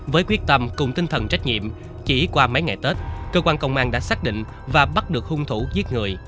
với quyết tâm cùng tinh thần trách nhiệm chỉ qua mấy ngày tết cơ quan công an đã xác định và bắt được hung thủ giết người